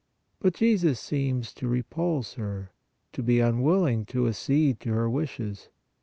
But Jesus seems to repulse her, to be unwilling to accede to her wishes.